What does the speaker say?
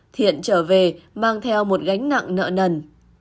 thiện trở về mang theo một gánh nặng nợ nần